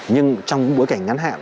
nhưng trong bối cảnh ngắn hạn